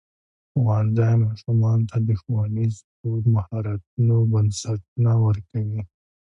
ښوونځی ماشومانو ته د ښوونیزو مهارتونو بنسټونه ورکوي.